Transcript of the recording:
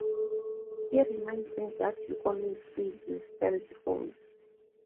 He reminds me that you always said you felt old.